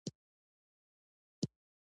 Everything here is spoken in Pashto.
د افغانستان په جنوب کې د پکتیکا ولایت شتون لري.